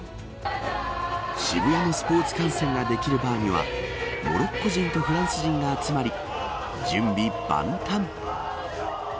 渋谷のスポーツ観戦ができるバーにはモロッコ人とフランス人が集まり準備万端。